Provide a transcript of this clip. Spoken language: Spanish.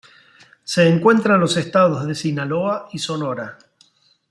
Se encuentra en los estados de Sinaloa y Sonora.